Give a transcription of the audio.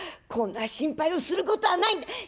こんな心配をすることはないんだ」。